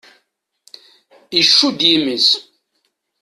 Iccud yimi-s.